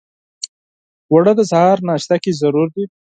اوړه د سهار ناشته کې ضرور دي